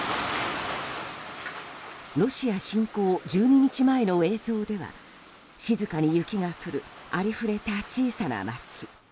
ロシア侵攻１２日前の映像では静かに雪が降るありふれた小さな街。